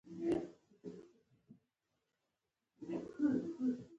اروپایي او امریکایي سیلانیان پر حلواو او جلبیو راټول وي.